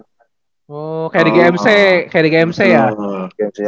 oh kayak di gmc ya